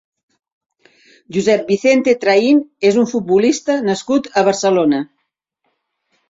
Josep Vicente Train és un futbolista nascut a Barcelona.